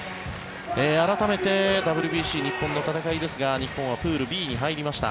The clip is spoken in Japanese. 改めてＷＢＣ、日本の戦いですが日本はプールＢに入りました。